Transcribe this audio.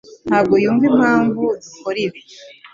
ntabwo yumva impamvu dukora ibi.